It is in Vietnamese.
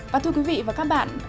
và thưa quý vị và các bạn